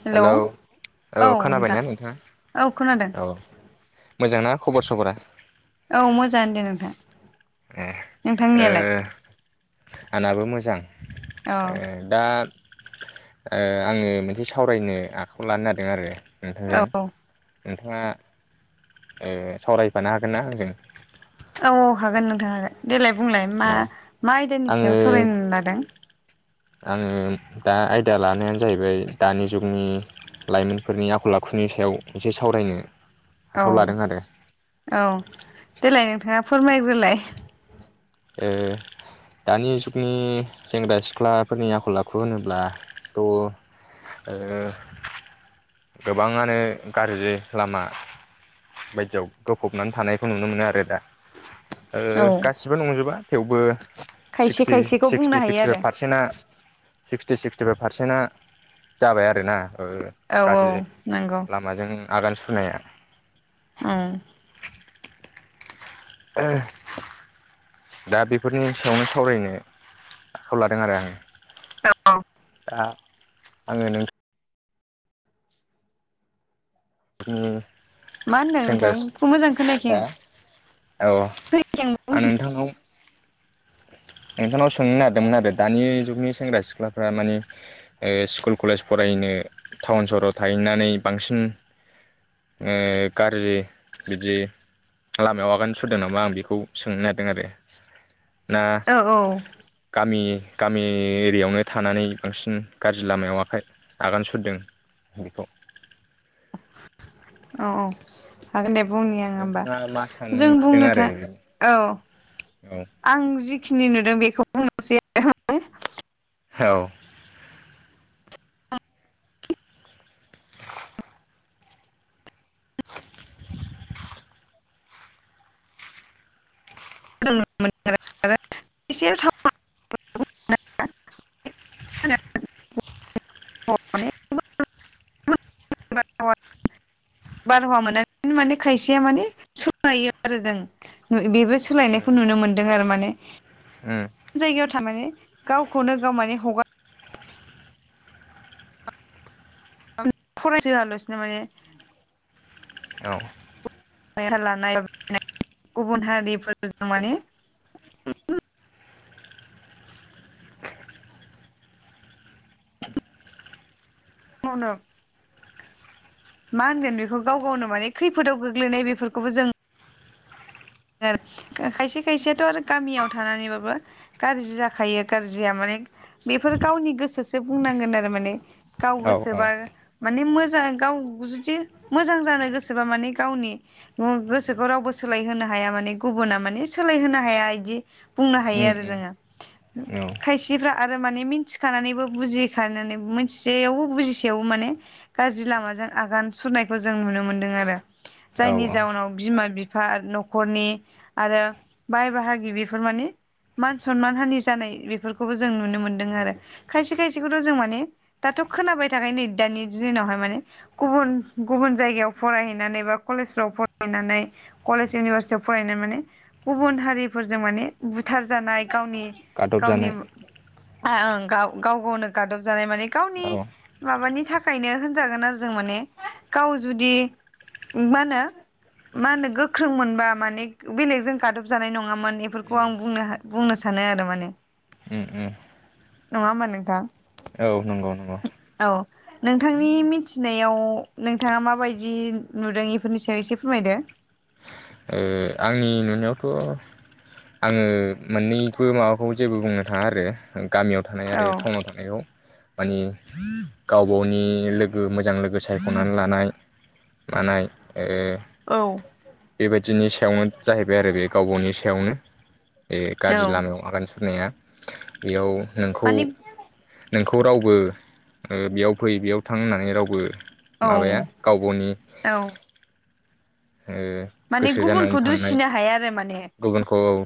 Hello औ खोनाबायना नोंथां नोंथाङा औ खोनादों। मोजां ना खबर सबरा? औ मोजाङानो दे नोंथां। नोंथांनियालाय? आनाबो मोजां। औ ओ दा। ओ आङो मोनसे सावरायनो आखायाव लानो नागिरदों आरो। औ नोंथांजों। नोंथाङा ओ सावरायफानो हागोनना आंजों? औ हागोन नोंथां हागोन देलाय बुंलाय औ मा-मा आयदानि आङो सायाव सरायनो लादों? आङो दा आयदा लानायानो जाहैबाय दानि जुगनि लाइमोनफोरनि आखल आखुनि सायाव एसे सावरायनो औ आखायाव लादों आरो औ देलाय नोंथाङा फोरमायग्रोलाय। ओ दानि जुगनि सेंग्रा सिख्लाफोरनि आखल आखु होनोब्लाथ' ओ गोबाङानो गाज्रि लामा बायदियाव गोफबनानै थानायखौ नुनो मोनो आरो दा। औ ओ गासिबो नंजोबा। थेवबो खायसे सिक्सटि खायसेखौ बुंनो हायो सिक्सटि-सिक्सटि आरो फाइभ पारसेन्टआ सिक्सटि सिक्सटिफाइभ पारसेन्टआ जाबाय आरो ना। ओयो औ औ गाज्रि नंगौ लामाजों आगान सुनाया। उम। ओयो दा बेफोरनि सायावनो सावरायनो आखायाव लादों आरो आं औ दा आङो नों उम। मा होनदों नोंथां फ मोजां खोनायाखै सिख्ला आङो। औ खोनायाखै आं बुंफिन नोंथांनाव नोंथांनाव सोंनो नागिरदोंमोन आरो दानि जुगनि सेंग्रा सिख्लाफ्रा मानि ओयो सिकुल कलेज फरायनो टाउन सहराव थाहैनानै बांसिन ओयो गाज्रि बिदि लामायाव आगान सुरदों नामा आं बिखौ सोंनो नागिरदों आरो। ना औ औ गामि गामि एरियायावनो थानानै बांसिन गाज्रि लामायाव आखाइ आगान सुरदों बिखौ औ औ हागोन दे बु बुंनि आङो होमबा नोंथाङा मा जों सानदों बुंनो था आरो औ औ आं जिखिनि नुदों बिखौ से [unintelligible] औ। [inaudible] [unintelligible] [unintelligible] सोलायनायखौ नुनो मोनदों आरो माने उम। जायगायाव थारमाने गावखौनो गाव माने हगार [unintelligible] औ [unintelligible] मावदों मा होनगोन बिखौ गाव गावनो माने खैफोदाव गोग्लैनाय बेफोरखौबो जों गोर आ खायसे खायसेयाथ' आरो गामियाव थानानैबाबो गाज्रि जाखायो गाज्रिया माने बेफोर गावनि गोसोसो बुंनांगोन आरो माने गाव औ गोसोबा माने मोजां गाव जुदि मोजां जानो गोसोबा माने गावनि मु गोसोखौ रावबो सोलायहोनो हा हाया माने गुबुना माने सोलायहोनो हाया। इदि बुंनो हायो उम आरो जोङो। उम ओम औ खायसेफ्रा आरो माने मिथिखानानैबो बुजिखानानैबो मिथिसेयावबो बुजिसेयावबो माने गाज्रि लामाजों आगान सुरनायखौ जों नुनो मोन्दों आरो। औ जायनि औ जाउनाव बिमा बि बिफा न'ख खरनि आरो बाय बाहागि बेफोर मानि मान सनमान हानि जानाय बेफोरखौबो जों नुनो मोन्दों आरो खायसे खायसेखौथ' जों माने दाथ' खोनाबाय थाखायो नै दानि दिनावहाय माने गुबुन गुबुन जायगायाव फरायहैनानै बा कलेजफ्राव फरायनानै कलेज इउनिभारसि थि फरायनाय माने गुबुन हारिफोरजों माने बुथार जानाय। गावनि गादबजानाय गावनिम आ ओं गाव गाव गावनो गादब जानाय माने गावनि औ माबानि थाखायनो होनजागोन आरो जों माने गाव जुदि उम मा होनो मा होनो गोख्रों मोनबा माने बेलेग जों गाटब जानाय नङामोन एफोरखौ आं उम बुंनोहो बुंनो सानो आरो माने उम ।नङा होनबा नोंथां? औ नंगौ नंगौ औ नोंथांनि मिथिनायाव नोंथांआ मा बायदि नुदों इफोरनि सायाव एसे फोरमायदो । उम आंनि नुनायावथ' आङो मोननैबो माबाखौ जेबो बुंनो थाङा आरो गामियाव थानाय आरो औ टाउनाव थानायाव मानि गाव गावनि लोगो मोजां लोगो सायख'नानै लानाय। मानाय ओ औ बेबायदि दिनि सायावनो जाहैबाय आरो बे गाव गावनि सायावनो । बे गाज्रि लामायाव आगान सुरनाया । बेयाव नोंखौ माने नोंखौ रावबो ओ बेयाव फै बेयाव थां होननानै रावबो औ माबाया गाव गावनि औ माने जानानै गुबुनखौ दुसिनो हाया आरो माने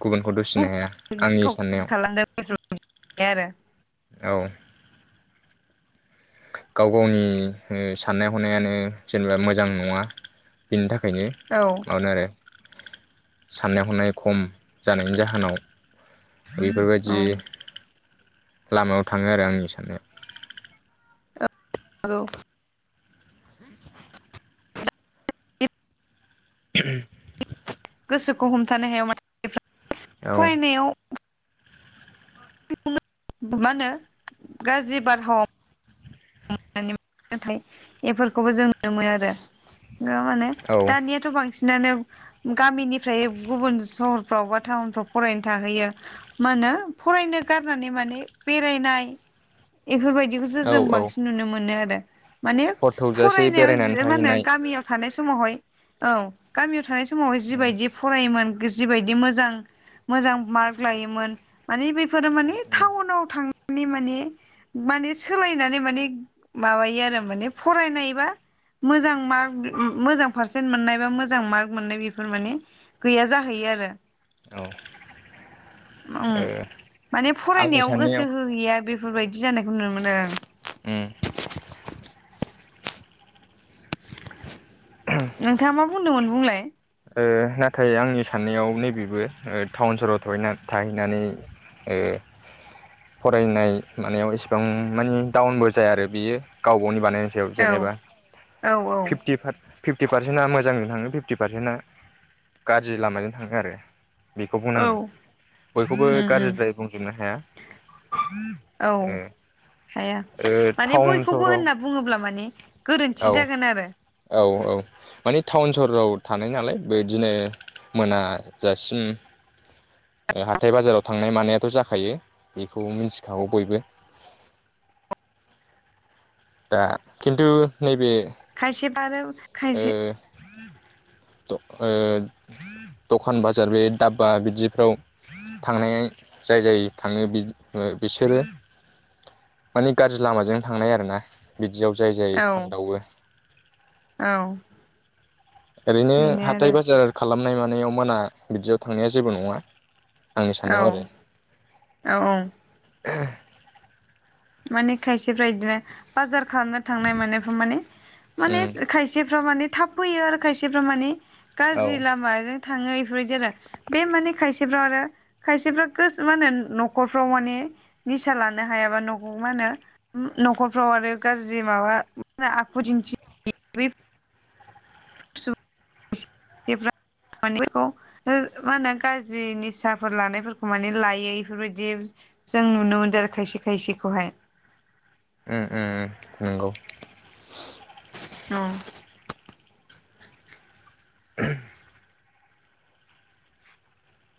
गुबुनखौथ' [unintelligible] औ गाव गावनि ओ साननाय हनायानो जेनेबा मोजां नङा बिनि था खायनो औ माबानो आरो साननाय हनाय खम जानायनि जाहोनाव बेफोर औ बादि लामायाव थाङो आरो आंनि साननाया औ [inaudible] गोसोखौ हमथानो हाया मानसिफ्रा औ फरायनायाव [unintelligible] मा होनो गाज्रि बारहावा [unintelligible] नाथाय बेफोरखौबो जों नुनो मोनो आरो नोंआ माने औ दानिआथ' बां बांसिनानो गामिनिफ्राय गुबुन सहरफ्राव बा टाउनफ्राव फरायनो थाहैयो मा होनो फरायनो गारनानै माने बेरायनाय बेफोरबाय औ औ मोनो आरो माने हर थौजासे फरायनायाव बेरायनानै जि मा होनो थाहैनाय गामियाव थानाय समावहाय औ गामियाव थानाय समावह उम जिबायदि फरायोमोन जिबायदि मोजां मोजां मार्क लायोमोन माने बेफोरो माने टाउनाव थांनानै माने माने सोलायनानै मायो मान फनायबा मो मोजां पारसे मोननाय बा मोजां मार्क मोननाय बेफोर मान गैया जाहैयो आरो औ ओ माने आंनि फरायनायाव साननायाव गोसो होहैया बेफोरबायदि बिदि जानायखौ नुनो मोनो। उम नोंथाङा मा बुंदोंमोन बुंलाय ओ नाथाय आंनि साननायाव नैबेबो टाउन सहाव थाहैनानै फरायनाय मानायाव इसिबां मानि डाउनबो जाया आरो बियो गाव गावनि बानाय मयाव औ जेनेबा औ औ फिफ्टिफारभ फिफ्टि पारसेन्टआ मोजांङैनो थाङो फिफ्टि पारसेन्टआ गाज्रि लामाजों थाङो आरो। बेखौ औ बुंनांगोन बयखौबो उम उम गाज्रिद्राय बुंजोबनो हाया औ ओ हाया ओ माने टाउन बयखौबो सहराव होनना बुङोब्ला माने गोरोन्थि जागोन आरो औ औ औ माने टाउन सहराव थानाय नालाय। बेदिनो मोनाजासिम हाथाय बाजाराव थांनाय मानायाथ' जाखायो बेखौ मिथिखागौ बयबो। दा खिन्थु नैबे खायसे बा आरो ओ खायसे दं ओ दखान बाजार बे दाबबा बिदिफ्राव थांनाय जाय जाय थाङो बिसोरो मानिे गाज्रि लामाजों थांनाय आरोना बि जियाव जाय जायो औ थांदावो। औ ओरैनो बेनो हाथाय आरो बाजार खालामनाय मान [unintelligible] मोना बिदियाव थांनाया जेबो नङा। आंनि औ साननायाव आरो औ औ माने खायसेफ्रा बिदिनो बाजार थांनाय म मान मान उम खायसे मान थाब फैयो आरो खायसेफ्रा माने औ गाज्रि लामाजों थाङो इफोरबायदि आरो बे माने खायसेफ्रा आरो खायसेफ्रा गोस मा होन न'खरफ्राव माने निसा लानो हायाबा मा होनो नखरफ्राव आरो गाज्रि माबा मो आखु दिन्थि स' इफ्रा माने बेखौ हो मा होनो गाज्रि निसाफोर लानायफोरखौ माने लायो बेफोरबायदि जों नुनो मोनदों आरो खायसे खायसेखौहाय नंगौ औ [unintelligible]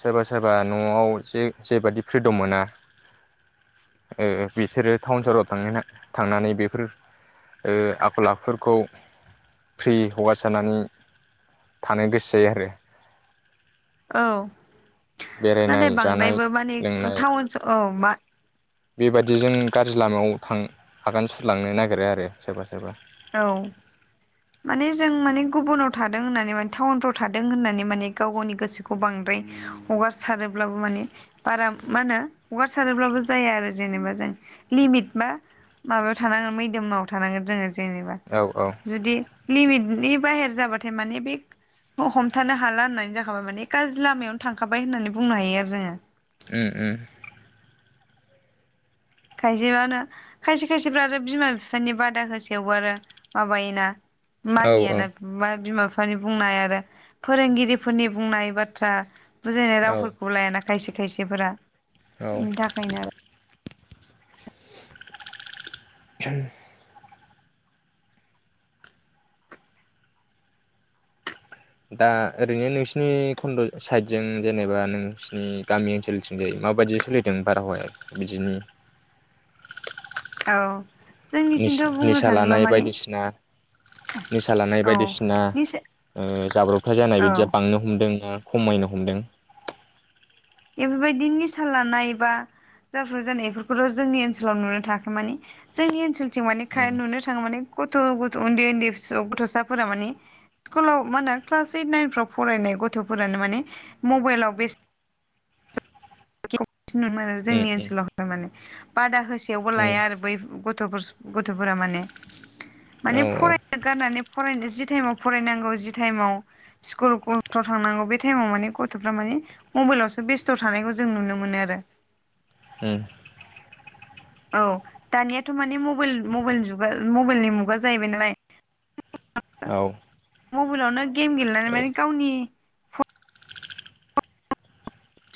सोरबा सोरबा न'आव जे जेबादि फ्रिदम मोना बिसोरो टाउन सहराव थांनो थांनानै बेफोर आखल आखुफोरखौ फ्रि हगारासारनानै थानो गोसो जायो आरो। औ बेरायनाय नाथाय जानाय बांद्रायबो मानि लोंनाय टाउन औ बेबादिजों गाज्रि लामायाव थां आगान सुरलांनो नागिरो आरो सोरबा सोरबा औ माने जों माने गुबुनाव थादों होननानै माने टाउनफ्राव थादों होननानै माने गाव गावनि गोसोखौ बांद्राय हगारसारोब्लाबो माने बारा मा होनो हगारसारोब्लाबो जाया आरो जेनेबा जों लिमिट बा माबायाव थानांगोन मैदोमाव थानांगोन जोङो। जेनेबा औ औ बाहेर जाबाथाय माने बे हमथानो हाला होननानै जाखाबाय माने गाज्रि लामायावनो थांखाबाय होननानै बुंनो हायो आरो जोङो। ओ ओ खायसेबानो खायसे खायसेफ्रा आरो बिमा बिफानि बादा होसेयावबो आरो माबायोना। औ मानिया औ ना मा बिमा बिफा बिफानि बुंनाय आरो फोरोंगिरिफोरनि बुंनाय बाथ्रा बुजायनाय औ रावफोरखौ लायाना खायसे खायसेफोरा औ इनि थाखायनो आरो [unintelligible] दा ओरैनो नोंसिनि खन्द साइदजों जेनेबा नोंसोरनि गामि ओनसोलथिंजाय माबायदि सोलिदों बारहावाया बिदिनि औ जोंनिथिंथ' बुंनो निसा थाङोब्ला लानाय माने बायदिना निसा लानाय औ बायदिसिना निसा जाब्रबथाया जानाय बिदिया औ बांनो हमदों खमायनो हमदों। बेफोरबायदि निसा लानाय बा जाफ्रु जानाय बेफोरखौथ' जोंनि ओनसोलाव नुनो थाखो माने जोंनि ओनसोलथिं माने उम नुनो थाङो माने गथ गथ उन्दै उन्दै गथसाफोरा माने स्कुलाव मा होनो क्लास ओइट नाइनफ्राव फरायनाय गथफोरानो माने मबाइलाव बेसथ नुनो मोनो जोंनि उम ओनसोलावहाय माने बादा होसेयाव होसेवबो उम लाया आरो बै गथ'फोर गथ'फोरा माने औ माने फरायनो गारनानै फरायनो जि टाइमाव फरायनांगौ जि टाइमाव स्कुलाव थांनांगौ बे टाइमाव माने गथ'फ्रा माने मबाइलावसो बेस्थ थानायखौ जों नुनो मोनो मोनो आरो उम औ दानियाथ माने मबेल मबेलनि जुगा मबाइलनि मुगा जाहैबाय नालाय मबाइलावनो गेम गेलेनानै माने गावनि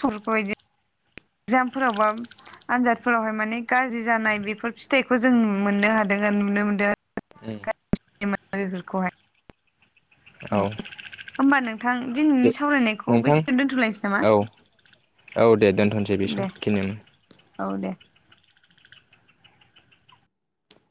समखौ [inaudible] एकजामफोराव बा आनजादफोरावहाय माने गाज्रि जानाय बेफोर फिथाइखौ जों मोननो हादों आरो नुनो मोनदों उम मोनो बेफोरखौहाय औ होमबा नोंथां दे दिनैनि सावरायनायखौ नोंथां बेखिनियाव दोनथ'लायनोसै नामा औ औ दे दोनथसै बे दे समखिनियावनो। औ दे